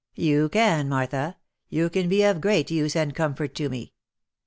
" You can, Martha — you can be of great use and comfort to me.